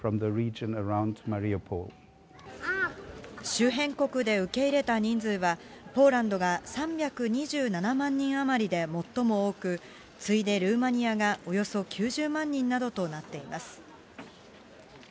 周辺国で受け入れた人数は、ポーランドが３２７万人余りで最も多く、次いでルーマニアがおよそ９０万人などとなっています。